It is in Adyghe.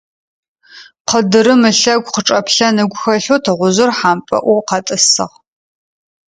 Къыдырым ылъэгу къычӀэплъэн ыгу хэлъэу тыгъужъыр хьампӀэloy къэтӀысыгъ.